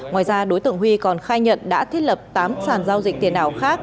ngoài ra đối tượng huy còn khai nhận đã thiết lập tám sàn giao dịch tiền ảo khác